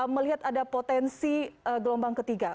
melihat ada potensi gelombang ketiga